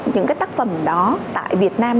những cái tác phẩm đó tại việt nam